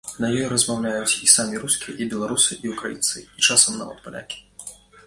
На ёй размаўляюць і самі рускія, і беларусы, і ўкраінцы, і часам нават палякі.